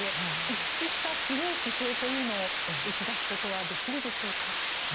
一致した強い姿勢というのを打ち出すことはできるでしょうか。